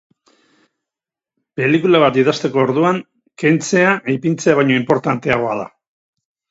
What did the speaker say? Pelikula bat idazteko orduan, kentzea ipintzea baino inportanteagoa da.